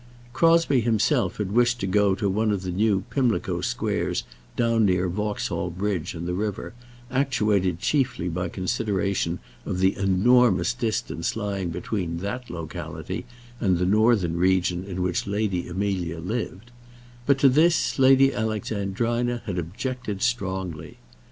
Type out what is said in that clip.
Crosbie himself had wished to go to one of the new Pimlico squares down near Vauxhall Bridge and the river, actuated chiefly by consideration of the enormous distance lying between that locality and the northern region in which Lady Amelia lived; but to this Lady Alexandrina had objected strongly.